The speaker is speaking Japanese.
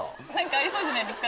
ありそうじゃないですか。